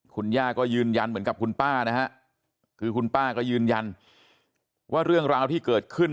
คุณย่าก็ยืนยันเหมือนกับคุณป้านะฮะคือคุณป้าก็ยืนยันว่าเรื่องราวที่เกิดขึ้น